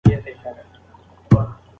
د ژوند مهمه برخه حضور او ملاتړ دی.